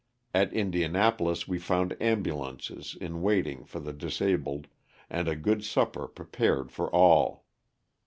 At Indianapolis we found ambulances in waiting for the disabled, and a good supper prepared for all.